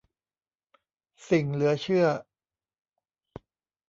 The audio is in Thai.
สิ่งเหลือเชื่อ